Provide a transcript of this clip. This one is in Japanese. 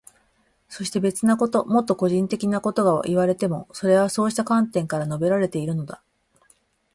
そして、別なこと、もっと個人的なことがいわれていても、それはそうした観点から述べられているのだ。